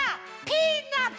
ピーナツ！